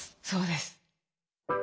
そうです。